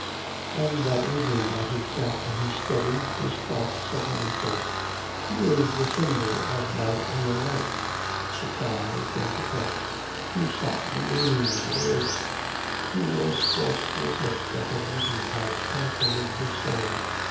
And that evening, as he sat in his study, his thoughts suddenly said: 'She is the symbol of my inner life.' Surprised and perplexed, he sought the meaning of the words. He was forced to admit that her beauty had penetrated his soul.